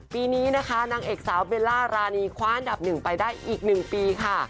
ปีนี้นะคะนางเอกสาวเบลล่ารานีคว้าอันดับหนึ่งไปได้อีก๑ปีค่ะ